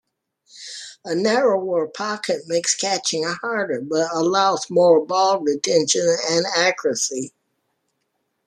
A narrower pocket makes catching harder, but allows more ball retention and accuracy.